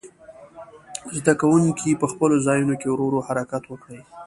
زده کوونکي په خپلو ځایونو کې ورو ورو حرکت وکړي.